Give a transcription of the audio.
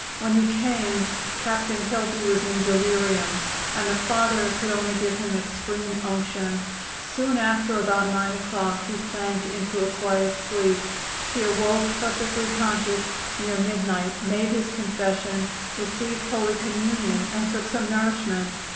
When he came Captain Kelty was in delirium, and the Father could give him only Extreme Unction. Soon after, about 9 o'clock, he sank into a quiet sleep. He awoke, perfectly conscious, near midnight, made his confession, received Holy Communion, and took some nourishment.